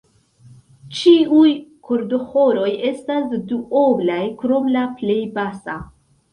Ĉiuj kordoĥoroj estas duoblaj, krom la plej basa.